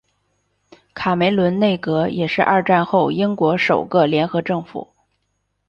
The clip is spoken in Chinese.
卡梅伦内阁也是二战后英国首个联合政府。